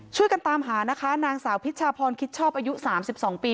ช่วยกันตามหานะคะนางสาวพิชชาพรคิดชอบอายุ๓๒ปี